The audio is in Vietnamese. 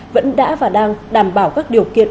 vẫn đã và đang đảm bảo các điều kiện